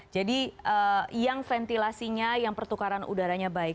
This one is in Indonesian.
jadi yang ventilasinya yang pertukaran udaranya baik